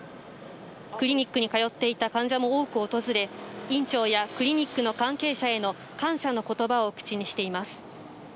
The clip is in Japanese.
クリニックに通っていた患者も多く訪れ、院長やクリニックの関係者への感謝のことばを口にしています。